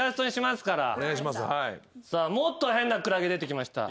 もっと変なクラゲ出てきました。